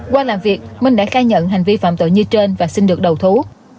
qua làm việc minh đã khai nhận hành vi phạm tội như trên và xin được đầu thú